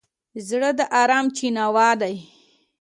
زړه د ارام چیناوه ده.